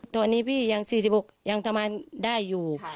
ตอนนี้พี่ยัง๔๖ยังทำงานได้อยู่